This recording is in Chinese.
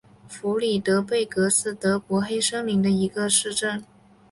弗里德贝格是德国黑森州的一个市镇。